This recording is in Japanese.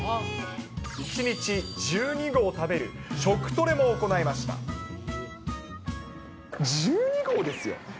１日１２合食べる食トレも行１２合ですよ。